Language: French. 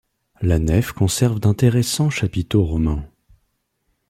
La nef conserve d'intéressants chapiteaux romans.